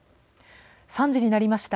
３時になりました。